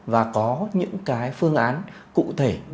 và có những cái phương án cụ thể